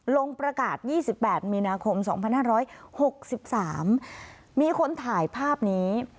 ลงประกาศ๒๘มีนาคม๒๕๖๓มีคนถ่ายภาพนี้